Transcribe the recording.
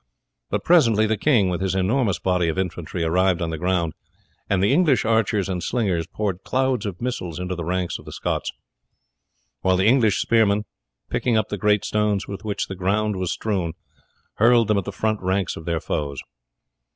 But presently the king, with his enormous body of infantry, arrived on the ground, and the English archers and slingers poured clouds of missiles into the ranks of the Scots; while the English spearmen, picking up the great stones with which the ground was strewn, hurled them at the front ranks of their foes.